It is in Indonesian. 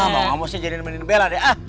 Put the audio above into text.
nah mau mau sih jadikan meninu bella deh ah